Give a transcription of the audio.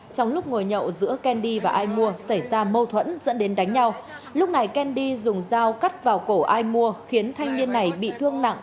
trong lúc ngồi nhậu giữa keny và ai mua xảy ra mâu thuẫn dẫn đến đánh nhau lúc này ken đi dùng dao cắt vào cổ ai mua khiến thanh niên này bị thương nặng